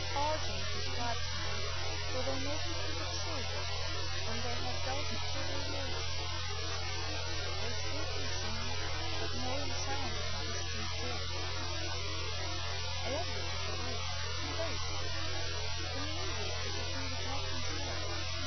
'Argent' de scribes them, for they make you think of sil ver, and they have dulcet silvery voices. They speak and sing, but more in sound than in distinct words — a language of their own. 168 SOME SUBSEQUENT CASES a fairy tongue. Their music is a thing we cannot translate.